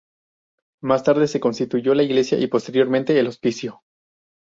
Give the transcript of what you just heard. Más tarde se construyó la Iglesia y posteriormente el hospicio.